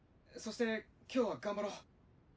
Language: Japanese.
そして今日は頑張ろう。